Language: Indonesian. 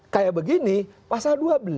kayak begini pasal dua belas